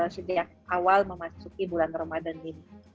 sejak awal memasuki bulan ramadan ini